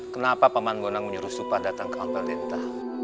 kenapa paman bonang menyuruh supa datang ke ampel denta